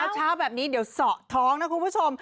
เช้าแบบนี้เดี๋ยวเสาะท้องนะคุณผู้ชม